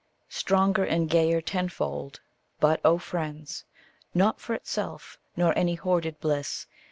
Stronger and gayer tenfold! but, O friends, Not for itself, nor any hoarded bliss.